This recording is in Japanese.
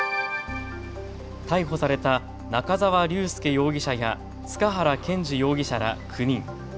逮捕された中澤隆亮容疑者や塚原謙司容疑者ら９人。